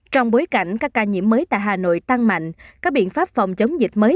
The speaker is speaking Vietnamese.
trong bối cảnh các ca nhiễm mới tại hà nội tăng mạnh các biện pháp phòng chống dịch mới